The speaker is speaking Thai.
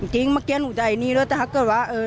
จริงมาเกี๊ยนหนูใจนี้แต่ถ้าเกิดว่า